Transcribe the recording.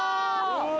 うわ！